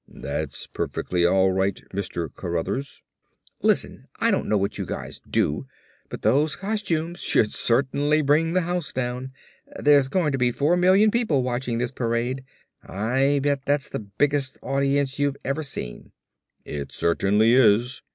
"That's perfectly all right, Mr. Cruthers." "Listen, I don't know what you guys do but those costumes should certainly bring the house down. There's going to be four million people watching this parade. I bet that's the biggest audience you've ever seen." "It certainly is."